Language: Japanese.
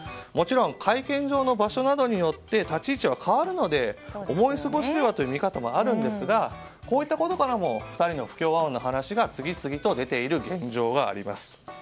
もちろん会見場の場所などによって立ち位置は変わるので思い過ごしでは？という見方もありますがこういったことからも２人の不協和音の話が次々と出ている現状はあります。